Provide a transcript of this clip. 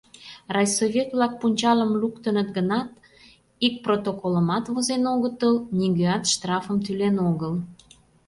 Райсовет-влак пунчалым луктыныт гынат, ик протоколымат возен огытыл, нигӧат штрафым тӱлен огыл.